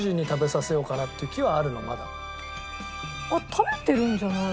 食べてるんじゃないかな？